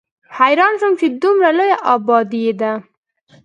حېران شوم چې دومره لويه ابادي ده